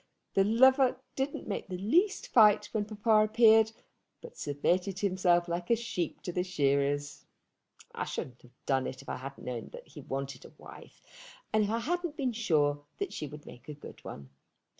The lover didn't make the least fight when papa appeared, but submitted himself like a sheep to the shearers. I shouldn't have done it if I hadn't known that he wanted a wife and if I hadn't been sure that she would make a good one.